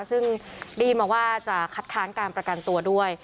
ซึ่งได้ยินมาว่าจะคัดค้านการประกันตัวด้วย